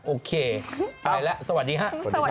โอเคไปแล้วสวัสดีค่ะ